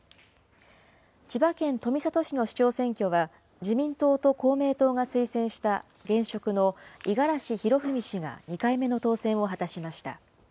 千葉県富里市の市長選挙は自民党と公明党が推薦した現職の五十嵐博文氏が２回目の当選を果たしました。